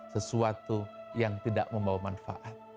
sesuatu yang tidak membawa manfaat